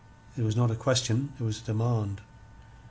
It was not a question, it was a demand.